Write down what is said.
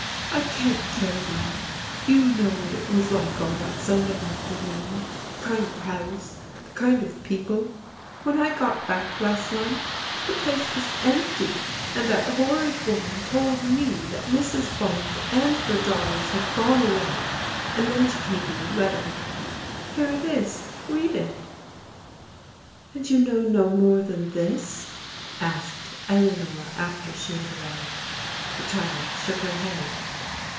I can't tell you ! You know what it was like on that Sun day afternoon, — the kind of house, the kind of people* When I got back last night, the place was empty, and that horrid woman told me that Mrs. Barnes and her daughters had gone away, and then she gave me a letter. Here it is — read it.'* " And you know no more than this ?'* asked Eleanor after she had read. The child shook her head.